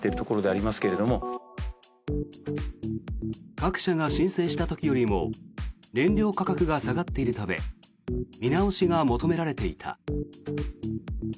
各社が申請した時よりも燃料価格が下がっているため見直しが求められていた。